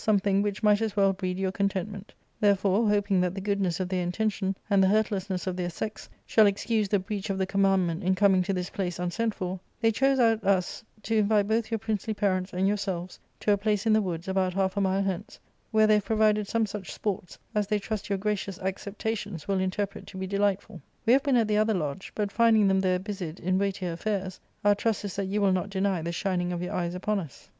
249 something which might as well breed your contentment ; therefore, hoping that the goodness of their intention and the hurtlessness of their sex shall excuse the breach of the com mandment in coming to this place unsent for, they chose out us to invite both your princely parents and yourselves to a place in the woods, about half a mile hence, where they have provided some such sports as they trust your gracious acceptations will interpret to be delightful We have been at the other lodge ; but, finding them there busied in weigh tier affairs, our trust is that you will not deny the shining of your eyes upon us."